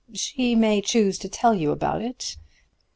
"She may choose to tell you about it.